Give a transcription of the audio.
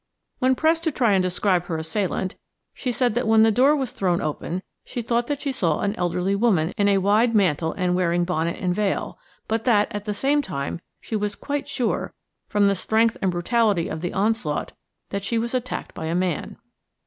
When pressed to try and describe her assailant, she said that when the door was thrown open she thought that she saw an elderly woman in a wide mantle and wearing bonnet and veil, but that, at the same time, she was quite sure, from the strength and brutality of the onslaught, that she was attacked by a man.